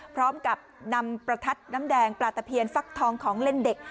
พร้อมกับนำประทัดน้ำแดงปลาตะเพียนฟักทองของเล่นเด็ก